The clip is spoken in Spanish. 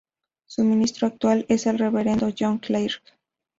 Su ministro actual es el reverendo John Clarke.